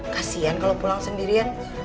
kasian kalau pulang sendirian